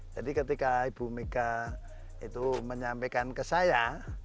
jadi ketika ibu mika itu menyampaikan ke saya